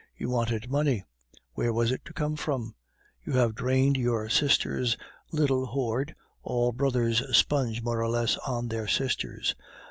You wanted money. Where was it all to come from? You have drained your sisters' little hoard (all brothers sponge more or less on their sisters).